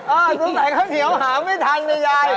อ้าวตัวใส่ข้าวเหนียวหาไม่ทันเนี่ยยาย